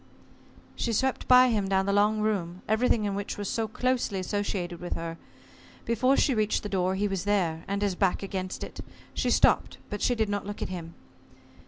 She swept by him down the long room, everything in which was so closely associated with her. Before she reached the door, he was there and his back against it. She stopped, but she did not look at him.